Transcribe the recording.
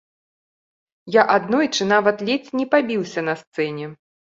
Я аднойчы нават ледзь не пабіўся на сцэне!